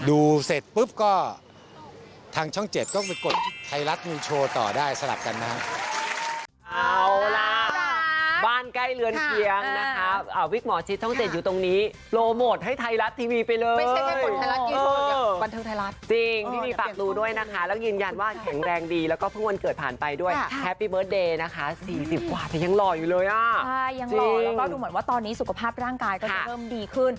ดูเสร็จปุ๊บก็ทางช่องเจ็ดก็ไปกดไทรัสมีโชว์ต่อได้สำหรับกันนะครับ